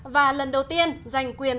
và lần đầu tiên giành quyền